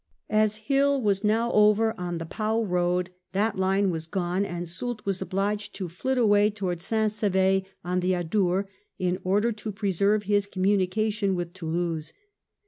As Hill was now over on the Pau road, that line was gone, and Soult was obliged to flit away towards St. Sever on the Adour, in order to preserve his communication with Toulouse.